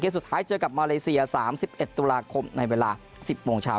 สุดท้ายเจอกับมาเลเซีย๓๑ตุลาคมในเวลา๑๐โมงเช้า